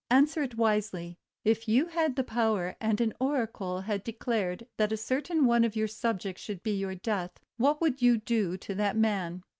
Answer it wisely. If you had the power, and an Oracle had declared that a certain one of your subjects should be your death, what would you do to that man?'